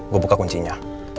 gue buka kuncinya